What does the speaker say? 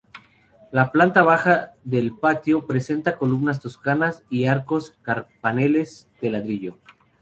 La planta baja del patio presenta columnas toscanas y arcos carpaneles de ladrillo.